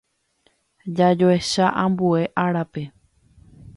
Jajoecha ambue árape.